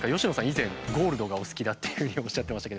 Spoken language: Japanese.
以前ゴールドがお好きだっていうふうにおっしゃってましたけど。